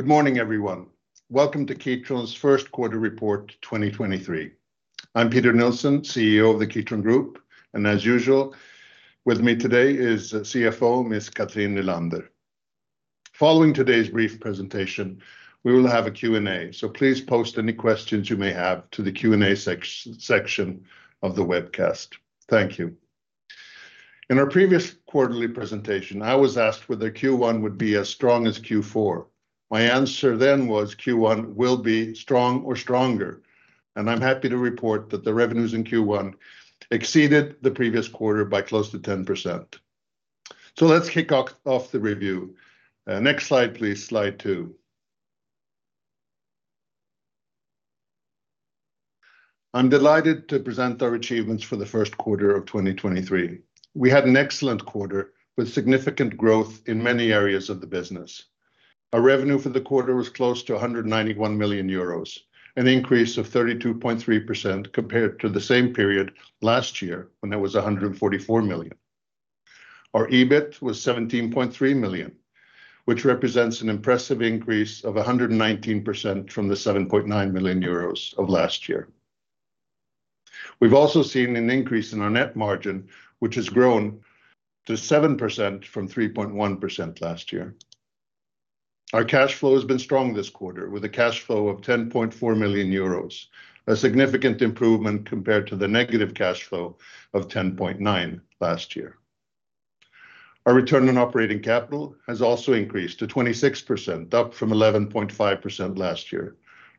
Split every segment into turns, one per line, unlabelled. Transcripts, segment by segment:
Good morning, everyone. Welcome to Kitron's first quarter report 2023. I'm Peter Nilsson, CEO of Kitron, as usual, with me today is CFO, Ms. Cathrin Nylander. Following today's brief presentation, we will have a Q&A, please post any questions you may have to the Q&A section of the webcast. Thank you. In our previous quarterly presentation, I was asked whether Q1 would be as strong as Q4. My answer then was Q1 will be strong or stronger, I'm happy to report that the revenues in Q1 exceeded the previous quarter by close to 10%. Let's kick off the review. Next slide, please. Slide 2. I'm delighted to present our achievements for the first quarter of 2023. We had an excellent quarter with significant growth in many areas of the business. Our revenue for the quarter was close to 191 million euros, an increase of 32.3% compared to the same period last year when it was 144 million. Our EBIT was 17.3 million, which represents an impressive increase of 119% from the 7.9 million euros of last year. We've also seen an increase in our net margin, which has grown to 7% from 3.1% last year. Our cash flow has been strong this quarter with a cash flow of 10.4 million euros, a significant improvement compared to the negative cash flow of 10.9 million last year. Our return on operating capital has also increased to 26%, up from 11.5% last year.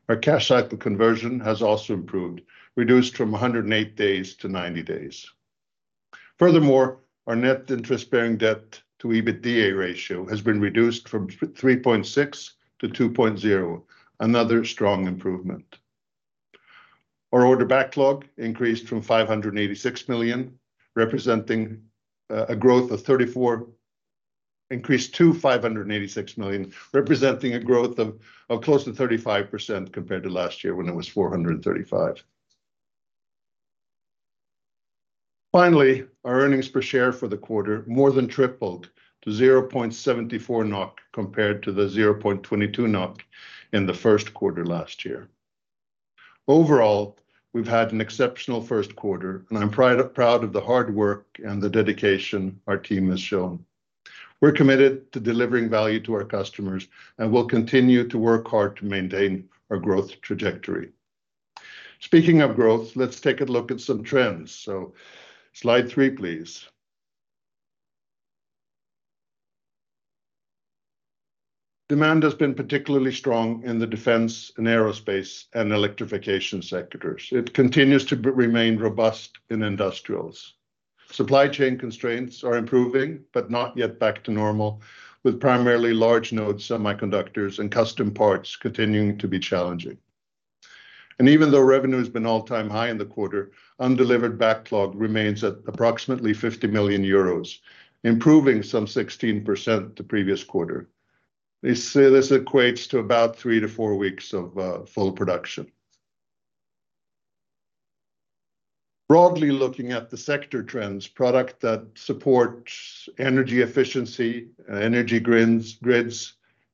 Our cash cycle conversion has also improved, reduced from 108 days to 90 days. Our net interest-bearing debt to EBITDA ratio has been reduced from 3.6 to 2.0, another strong improvement. Our order backlog increased to 586 million, representing a growth of close to 35% compared to last year when it was 435 million. Our earnings per share for the quarter more than tripled to 0.74 NOK compared to 0.22 NOK in the first quarter last year. We've had an exceptional first quarter, and I'm proud of the hard work and the dedication our team has shown. We're committed to delivering value to our customers, and we'll continue to work hard to maintain our growth trajectory. Speaking of growth, let's take a look at some trends. Slide 3, please. Demand has been particularly strong in the Defense and Aerospace and Electrification sectors. It continues to remain robust in industrials. Supply chain constraints are improving but not yet back to normal, with primarily large node semiconductors and custom parts continuing to be challenging. Even though revenue has been all-time high in the quarter, undelivered backlog remains at approximately 50 million euros, improving some 16% the previous quarter. This equates to about 3 to 4 weeks of full production. Broadly looking at the sector trends, product that supports energy efficiency, energy grids,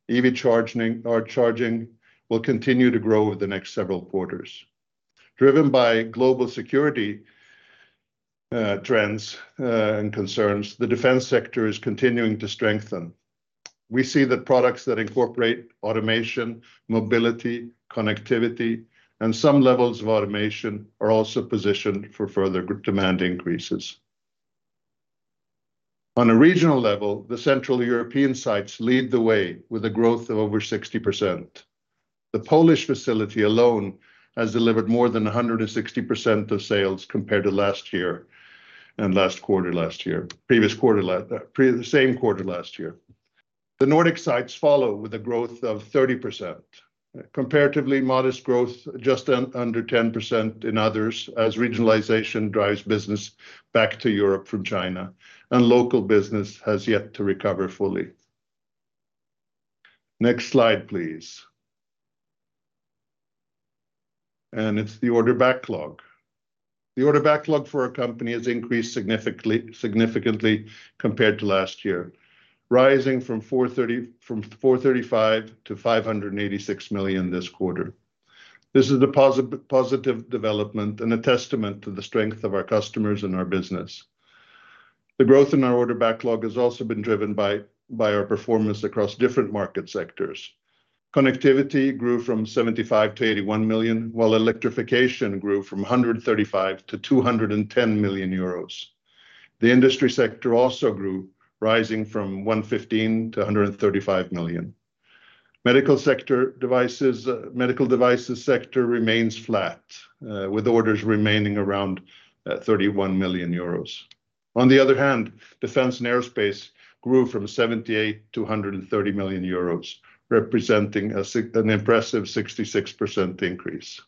EV charging will continue to grow over the next several quarters. Driven by global security trends and concerns, the Defense sector is continuing to strengthen. We see that products that incorporate automation, mobility, Connectivity, and some levels of automation are also positioned for further demand increases. On a regional level, the Central European sites lead the way with a growth of over 60%. The Polish facility alone has delivered more than 160 of sales compared to last year and the same quarter last year. The Nordic sites follow with a growth of 30%. Comparatively modest growth, just under 10% in others as regionalization drives business back to Europe from China, and local business has yet to recover fully. Next slide, please. It's the order backlog. The order backlog for our company has increased significantly compared to last year, rising from 435 million to 586 million this quarter. This is a positive development and a testament to the strength of our customers and our business. The growth in our order backlog has also been driven by our performance across different market sectors. Connectivity grew from 75 million to 81 million, while Electrification grew from 135 million to 210 million euros. The Industry sector also grew, rising from 115 million to 135 million. Medical Devices sector remains flat, with orders remaining around 31 million euros. On the other hand, Defense and Aerospace grew from 78 million euros to 130 million euros, representing an impressive 66% increase.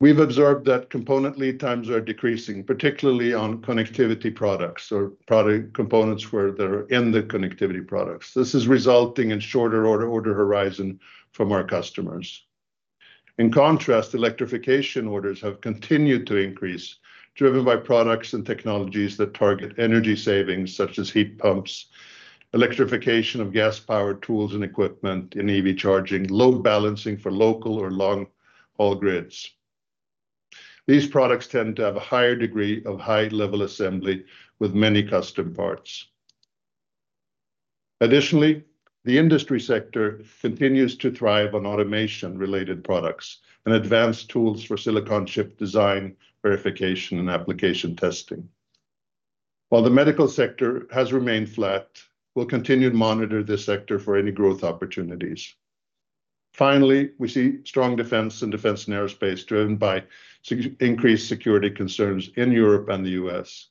We've observed that component lead times are decreasing, particularly on Connectivity products or product components where they're in the Connectivity products. This is resulting in shorter order horizon from our customers. In contrast, Electrification orders have continued to increase, driven by products and technologies that target energy savings, such as heat pumps, electrification of gas-powered tools and equipment in EV charging, load balancing for local or long-haul grids. These products tend to have a higher degree of higher-level assembly with many custom parts. Additionally, the Industry sector continues to thrive on automation-related products and advanced tools for silicon chip design, verification, and application testing. While the Medical sector has remained flat, we'll continue to monitor this sector for any growth opportunities. Finally, we see strong defense in Defense and Aerospace, driven by increased security concerns in Europe and the U.S.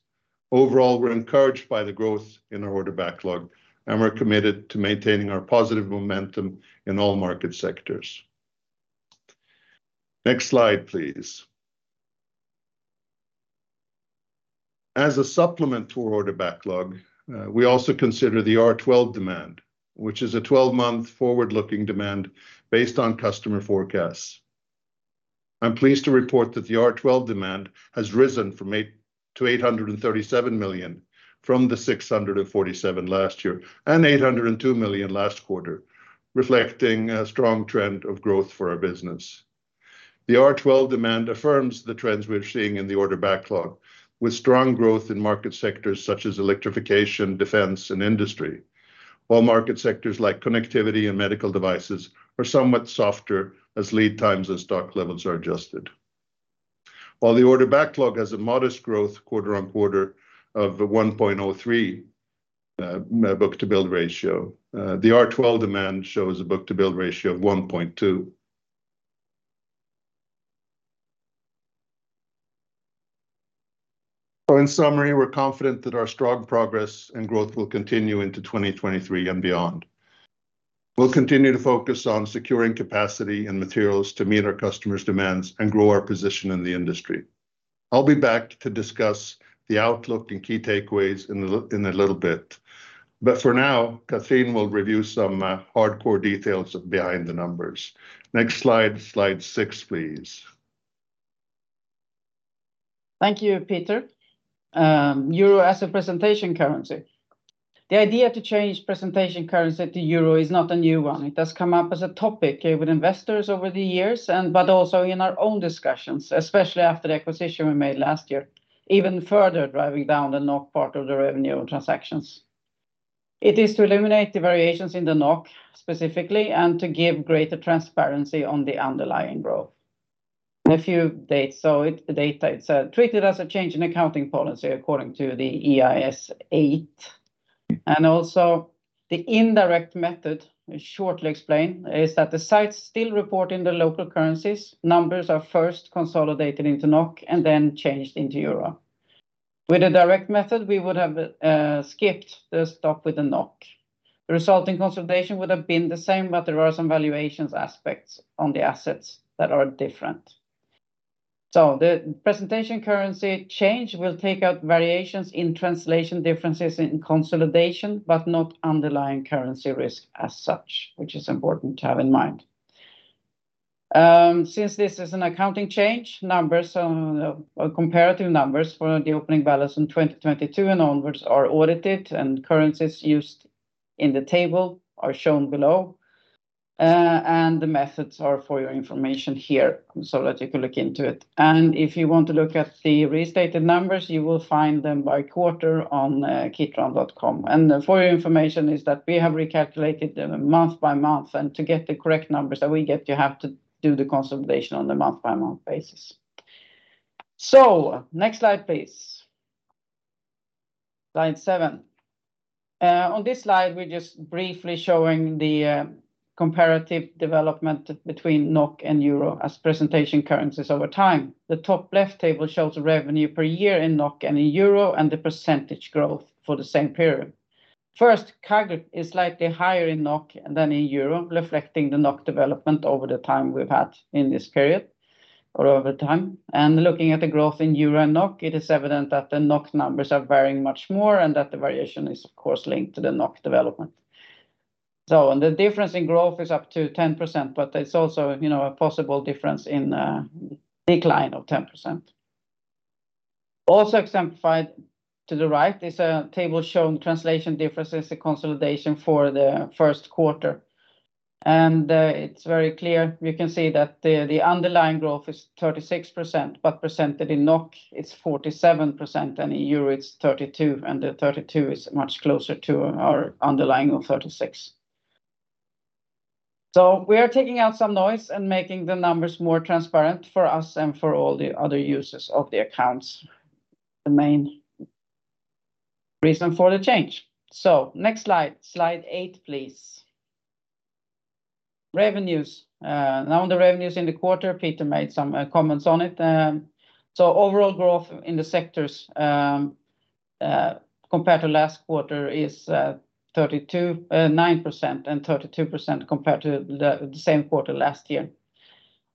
Overall, we're encouraged by the growth in our order backlog, and we're committed to maintaining our positive momentum in all market sectors. Next slide, please. As a supplement to order backlog, we also consider the R12 demand, which is a twelve-month forward-looking demand based on customer forecasts. I'm pleased to report that the R12 demand has risen from eight to 837 million from the 647 million last year and 802 million last quarter, reflecting a strong trend of growth for our business. The R12 demand affirms the trends we're seeing in the order backlog, with strong growth in market sectors such as Electrification, Defense, and Industry. Market sectors like Connectivity and Medical Devices are somewhat softer as lead times and stock levels are adjusted. While the order backlog has a modest growth quarter on quarter of 1.03, book-to-bill ratio, the R12 demand shows a book-to-bill ratio of 1.2. In summary, we're confident that our strong progress and growth will continue into 2023 and beyond. We'll continue to focus on securing capacity and materials to meet our customers' demands and grow our position in the industry. I'll be back to discuss the outlook and key takeaways in a little bit. For now, Cathrin will review some hardcore details behind the numbers. Next slide 6, please.
Thank you, Peter. Euro as a presentation currency. The idea to change presentation currency to euro is not a new one. It has come up as a topic with investors over the years but also in our own discussions, especially after the acquisition we made last year, even further driving down the NOK part of the revenue and transactions. It is to eliminate the variations in the NOK specifically and to give greater transparency on the underlying growth. A few data, it's treated as a change in accounting policy according to the IAS 8. The indirect method, shortly explained, is that the sites still report in the local currencies. Numbers are first consolidated into NOK and then changed into euro. With the direct method, we would have skipped the stop with the NOK. The resulting consolidation would have been the same, but there are some valuations aspects on the assets that are different. The presentation currency change will take out variations in translation differences in consolidation, but not underlying currency risk as such, which is important to have in mind. Since this is an accounting change, numbers, comparative numbers for the opening balance in 2022 and onwards are audited and currencies used in the table are shown below. The methods are for your information here so that you can look into it. If you want to look at the restated numbers, you will find them by quarter on kitron.com. For your information is that we have recalculated them month by month. To get the correct numbers that we get, you have to do the consolidation on the month-by-month basis. Next slide, please. Slide 7. On this slide, we're just briefly showing the comparative development between NOK and EUR as presentation currencies over time. The top left table shows revenue per year in NOK and in EUR and the % growth for the same period. First, CAGR is slightly higher in NOK than in EUR, reflecting the NOK development over the time we've had in this period or over time. Looking at the growth in EUR and NOK, it is evident that the NOK numbers are varying much more and that the variation is of course linked to the NOK development. The difference in growth is up to 10%, but it's also, you know, a possible difference in decline of 10%. Also exemplified to the right is a table showing translation differences, the consolidation for the 1st quarter. It's very clear. You can see that the underlying growth is 36%, but presented in NOK, it's 47%, and in EUR, it's 32%, and the 32% is much closer to our underlying of 36%. We are taking out some noise and making the numbers more transparent for us and for all the other users of the accounts, the main reason for the change. Next slide 8, please. Revenues. Now on the revenues in the quarter, Peter made some comments on it. Overall growth in the sectors compared to last quarter is 32.9% and 32% compared to the same quarter last year.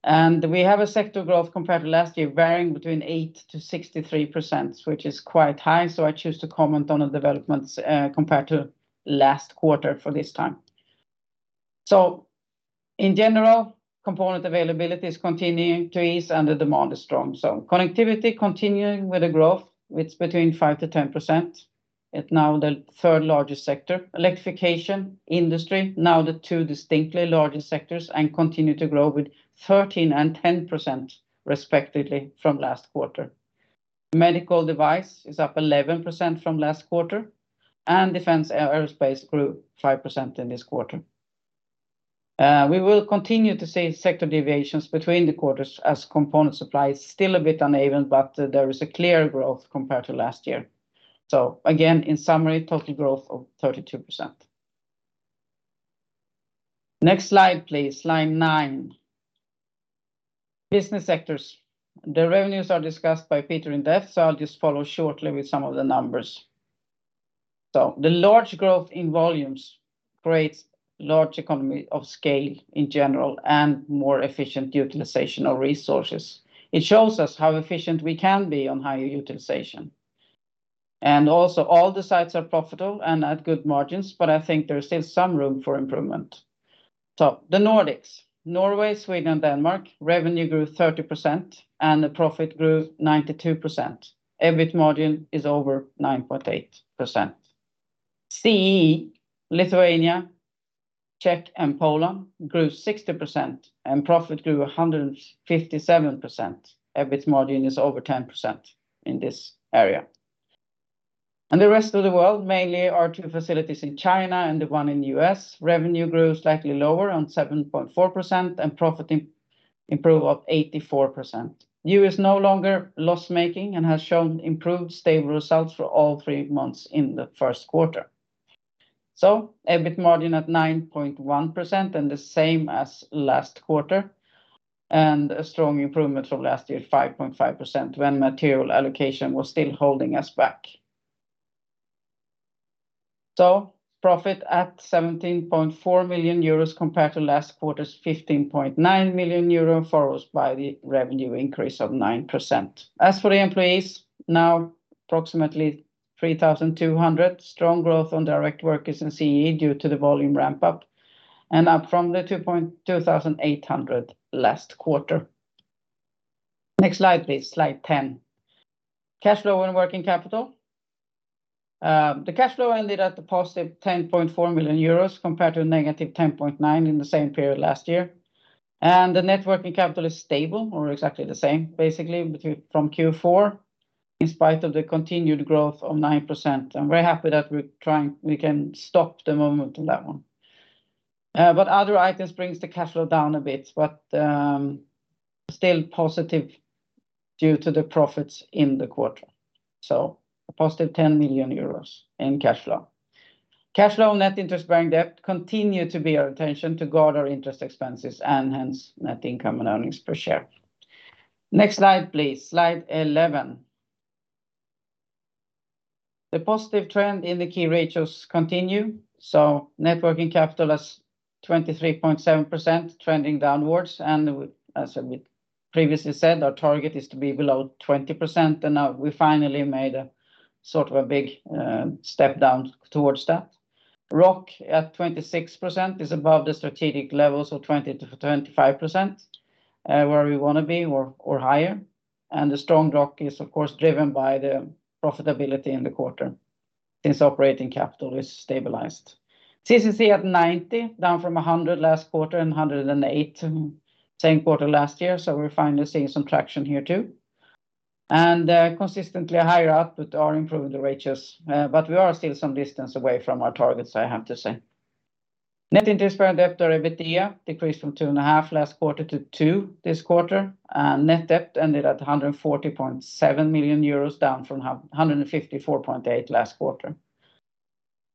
We have a sector growth compared to last year varying between 8%-63%, which is quite high. I choose to comment on the developments compared to last quarter for this time. In general, component availability is continuing to ease and the demand is strong. Connectivity continuing with the growth, it's between 5%-10%. It now the third-largest sector. Electrification, industry, now the two distinctly largest sectors and continue to grow with 13% and 10% respectively from last quarter. Medical device is up 11% from last quarter, and defense aerospace grew 5% in this quarter. We will continue to see sector deviations between the quarters as component supply is still a bit uneven, but there is a clear growth compared to last year. Again, in summary, total growth of 32%. Next slide, please. Slide 9. Business sectors. The revenues are discussed by Peter in depth. I'll just follow shortly with some of the numbers. The large growth in volumes creates large economy of scale in general and more efficient utilization of resources. It shows us how efficient we can be on higher utilization. All the sites are profitable and at good margins, but I think there is still some room for improvement. The Nordics, Norway, Sweden, and Denmark, revenue grew 30% and the profit grew 92%. EBIT margin is over 9.8%. CEE, Lithuania, Czech, and Poland grew 60% and profit grew 157%. EBIT margin is over 10% in this area. The rest of the world, mainly our two facilities in China and the one in U.S., revenue grew slightly lower on 7.4% and profit improved up 84%. U.S. no longer loss-making and has shown improved stable results for all three months in the first quarter. EBIT margin at 9.1% and the same as last quarter, and a strong improvement from last year at 5.5% when material allocation was still holding us back. Profit at 17.4 million euros compared to last quarter's 15.9 million euro, followed by the revenue increase of 9%. As for the employees, now approximately 3,200. Strong growth on direct workers in CEE due to the volume ramp-up and up from the 2,800 last quarter. Next slide, please. Slide 10. Cash flow and working capital. The cash flow ended at a positive 10.4 million euros compared to a negative 10.9 million in the same period last year. The net working capital is stable or exactly the same, basically, from Q4, in spite of the continued growth of 9%. I'm very happy that we can stop the movement on that one. But other items brings the cash flow down a bit, but still positive due to the profits in the quarter. A positive 10 million euros in cash flow. Cash flow on net interest-bearing debt continue to be our attention to guard our interest expenses and hence net income and earnings per share. Next slide, please. Slide 11. The positive trend in the key ratios continue. Net working capital is 23.7%, trending downwards. As we previously said, our target is to be below 20%, and now we finally made a, sort of a big, step down towards that. ROC at 26% is above the strategic levels of 20%-25%, where we wanna be or higher. The strong ROC is of course driven by the profitability in the quarter since operating capital is stabilized. CCC at 90, down from 100 last quarter and 108 same quarter last year, we're finally seeing some traction here too. Consistently higher output are improving the ratios, but we are still some distance away from our targets, I have to say. net interest-bearing debt or EBITDA decreased from 2.5 last quarter to 2 this quarter, and net debt ended at 140.7 million euros, down from 154.8 million last quarter.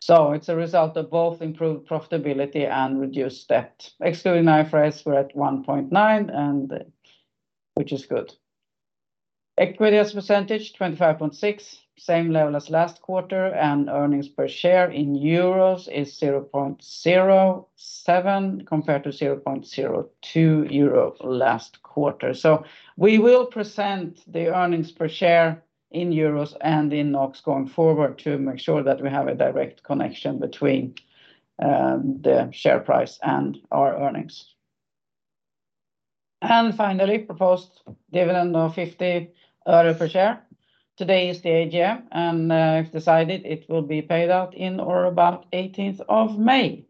It's a result of both improved profitability and reduced debt. Excluding IFRS, we're at 1.9 and, which is good. Equity as a percentage, 25.6%, same level as last quarter, and earnings per share in EUR is 0.07 compared to 0.02 euro last quarter. We will present the earnings per share in EUR and in NOK going forward to make sure that we have a direct connection between the share price and our earnings. Finally, proposed dividend of 50 euro per share. Today is the AGM, and we've decided it will be paid out in or about May 18th.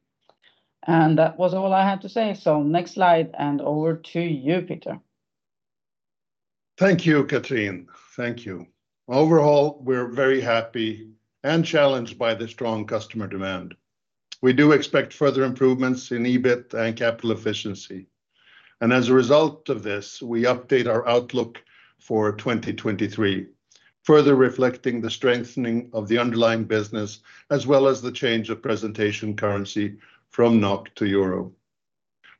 That was all I had to say. Next slide, and over to you, Peter.
Thank you, Cathrin. Thank you. Overall, we're very happy and challenged by the strong customer demand. We do expect further improvements in EBIT and capital efficiency. As a result of this, we update our outlook for 2023, further reflecting the strengthening of the underlying business as well as the change of presentation currency from NOK to EUR.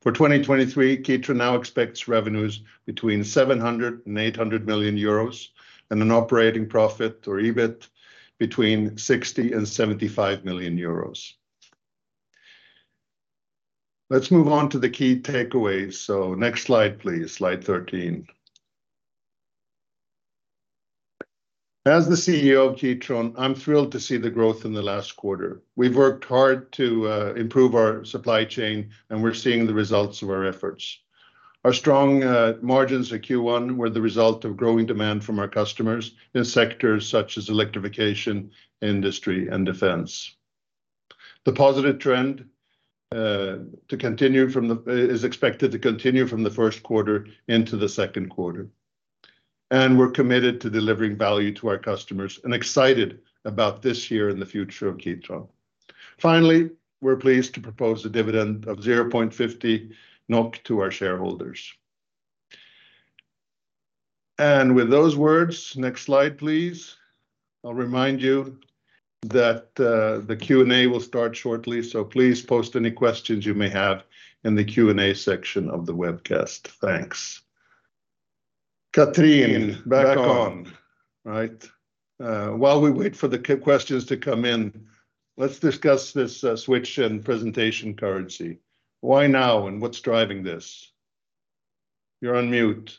For 2023, Kitron now expects revenues between 700 million-800 million euros and an operating profit or EBIT between 60 million-75 million euros. Let's move on to the key takeaways. Next slide, please. Slide 13. As the CEO of Kitron, I'm thrilled to see the growth in the last quarter. We've worked hard to improve our supply chain, and we're seeing the results of our efforts. Our strong margins in Q1 were the result of growing demand from our customers in sectors such as Electrification, industry, and defense. The positive trend is expected to continue from the first quarter into the second quarter. We're committed to delivering value to our customers and excited about this year and the future of Kitron. Finally, we're pleased to propose a dividend of 0.50 NOK to our shareholders. With those words, next slide, please. I'll remind you that the Q&A will start shortly, so please post any questions you may have in the Q&A section of the webcast. Thanks. Cathrin, back on. Right? While we wait for the questions to come in, let's discuss this, switch in presentation currency. Why now, and what's driving this? You're on mute.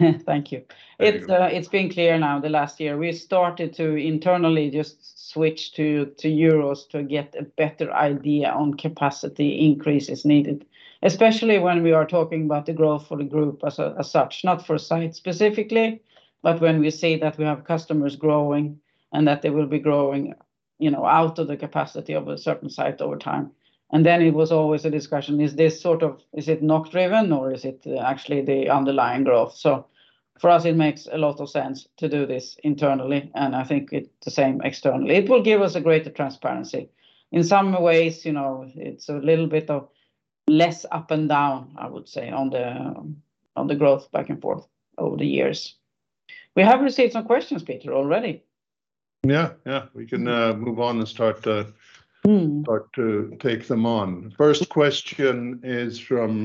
Thank you.
There you go.
It's been clear now the last year. We started to internally just switch to EUR to get a better idea on capacity increases needed, especially when we are talking about the growth for the group as such, not for a site specifically, but when we say that we have customers growing and that they will be growing, you know, out of the capacity of a certain site over time. It was always a discussion, is it NOK driven, or is it actually the underlying growth? For us, it makes a lot of sense to do this internally. I think it's the same externally. It will give us a greater transparency. In some ways, you know, it's a little bit of less up and down, I would say, on the growth back and forth over the years. We have received some questions, Peter, already.
Yeah. We can move on and start to take them on. First question is from,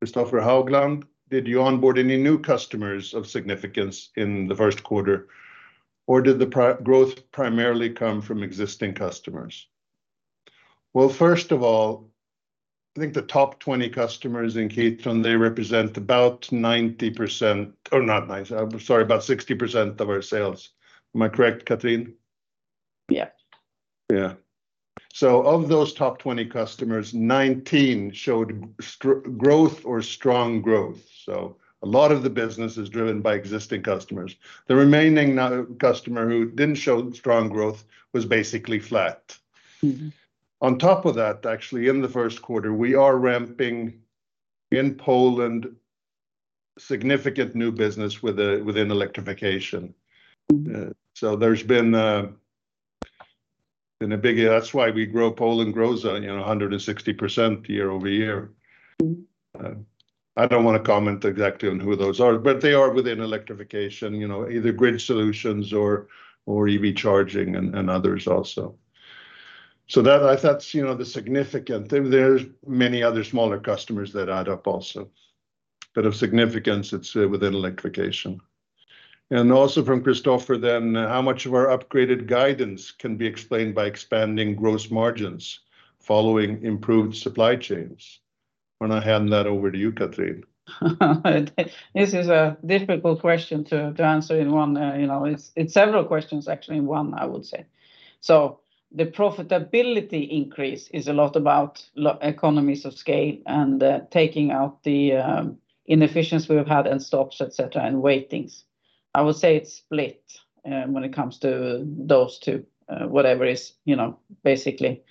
Christopher Haugland. Did you onboard any new customers of significance in the first quarter, or did the growth primarily come from existing customers? Well, first of all, I think the top 20 customers in Kitron, they represent about 90%, or not 90, I'm sorry, about 60% of our sales. Am I correct, Cathrin?
Yeah.
Yeah. Of those top 20 customers, 19 showed growth or strong growth, so a lot of the business is driven by existing customers. The remaining customer who didn't show strong growth was basically flat.
Mm-hmm.
On top of that, actually, in the first quarter, we are ramping in Poland significant new business with, within Electrification.
Mm-hmm.
There's been a big, that's why we grow, Poland grows, you know, 160% year-over-year.
Mm-hmm.
I don't wanna comment exactly on who those are, but they are within Electrification, you know, either grid solutions or EV charging and others also. That, I think that's, you know, the significant thing. Of significance, it's within Electrification. Also from Christopher then, how much of our upgraded guidance can be explained by expanding gross margins following improved supply chains? Why don't I hand that over to you, Cathrin?
This is a difficult question to answer in one. You know, it's several questions actually in one, I would say. The profitability increase is a lot about economies of scale and taking out the inefficiencies we have had and stops, etc., and waitings. I would say it's split when it comes to those two, whatever is, you know, basically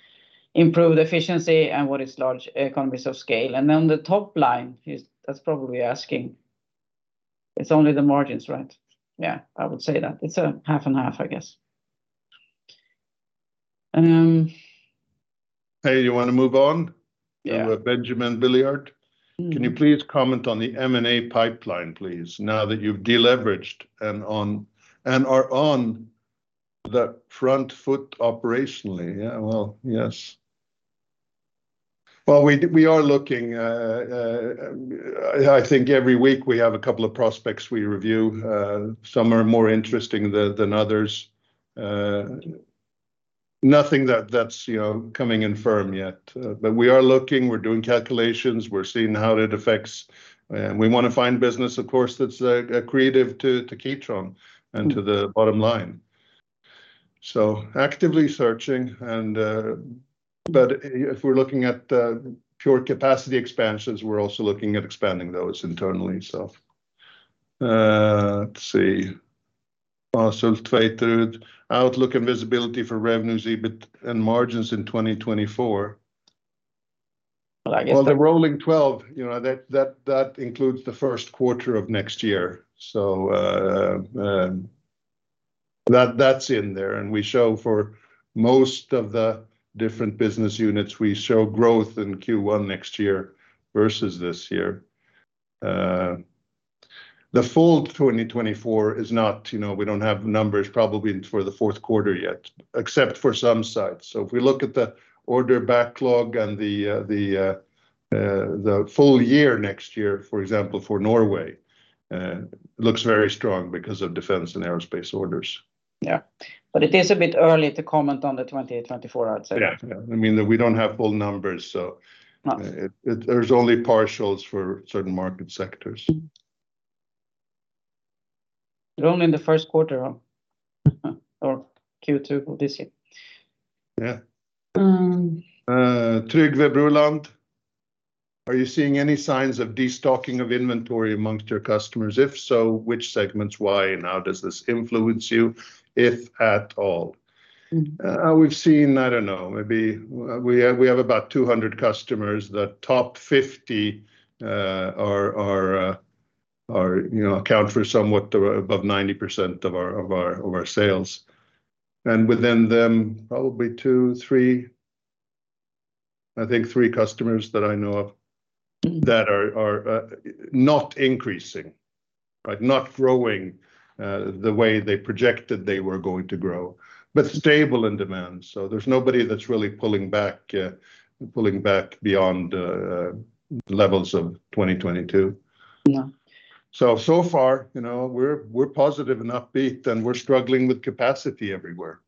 improved efficiency and what is large economies of scale. The top line is, that's probably asking, it's only the margins, right? Yeah, I would say that. It's half and half, I guess.
Hey, you wanna move on?
Yeah.
Benjamin Billiard.
Mm.
Can you please comment on the M&A pipeline, please, now that you've deleveraged and on, and are on the front foot operationally? We are looking. I think every week we have a couple of prospects we review. Some are more interesting than others. Nothing that's, you know, coming in firm yet. We are looking. We're doing calculations. We're seeing how it affects... We wanna find business, of course, that's creative to Kitron and to the bottom line. Actively searching and, if we're looking at pure capacity expansions, we're also looking at expanding those internally, so. Let's see. Outlook and visibility for revenues, EBIT, and margins for 2024.
Well, I guess.
Well, the rolling 12, you know, that includes the first quarter of next year. That's in there, and we show for most of the different business units, we show growth in Q1 next year versus this year. The full 2024 is not, you know, we don't have numbers probably for the fourth quarter yet, except for some sites. If we look at the order backlog and the full year next year, for example, for Norway, looks very strong because of defense and aerospace orders.
Yeah. It is a bit early to comment on the 2024, I'd say.
Yeah. I mean, we don't have full numbers.
No
There's only partials for certain market sectors.
We're only in the first quarter, huh? Q2 of this year?
Yeah. Trygve Bruland, "Are you seeing any signs of destocking of inventory amongst your customers? If so, which segments, why, and how does this influence you, if at all?" We've seen, I don't know, maybe, we have about 200 customers. The top 50 are, you know, account for somewhat above 90% of our sales. Within them, probably two, three, I think three customers that I know of that are not increasing, right? Not growing the way they projected they were going to grow, but stable in demand. There's nobody that's really pulling back beyond the levels of 2022.
Yeah.
So far, you know, we're positive and upbeat, and we're struggling with capacity everywhere.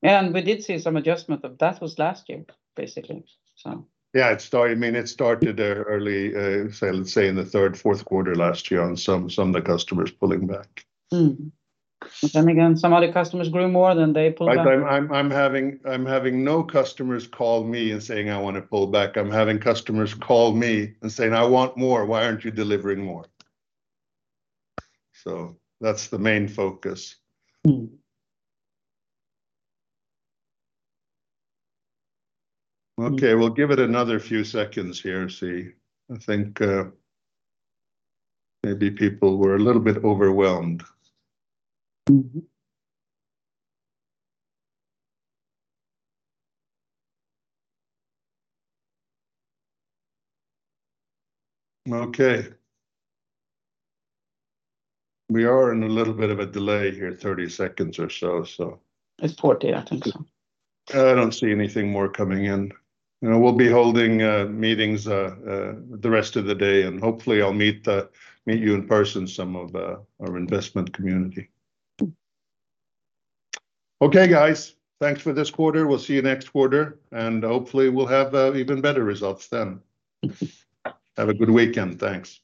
We did see some adjustment, but that was last year, basically, so.
Yeah, it started, I mean, it started early, say, let's say in the third, fourth quarter last year on some of the customers pulling back.
Some other customers grew more than they pulled back.
I'm having no customers call me and saying, "I want to pull back." I'm having customers call me and saying, "I want more. Why aren't you delivering more?" That's the main focus.
Mm.
Okay, we'll give it another few seconds here and see. I think, maybe people were a little bit overwhelmed.
Mm-hmm.
Okay. We are in a little bit of a delay here, 30 seconds or so.
It's 40, I think so.
I don't see anything more coming in. You know, we'll be holding meetings the rest of the day, and hopefully I'll meet you in person, some of our investment community. Okay, guys. Thanks for this quarter. We'll see you next quarter, and hopefully we'll have even better results then. Have a good weekend. Thanks.
Thank you.